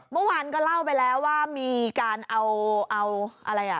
เมื่อวานก็เล่าไปแล้วว่ามีการเอาเอาอะไรอ่ะ